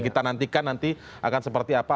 kita nantikan nanti akan seperti apa